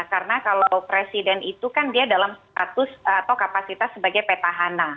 karena kalau presiden itu kan dia dalam status atau kapasitas sebagai petahana